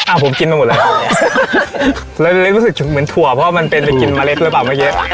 อ่ะผมกินมาหมดเลยแล้วเรียกรู้สึกเหมือนถั่วเพราะมันเป็นไปกินเมล็ดเลยป่ะเมื่อกี้